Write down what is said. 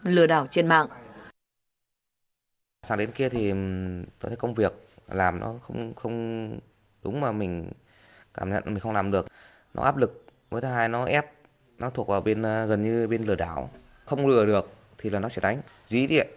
lừa đảo trên mạng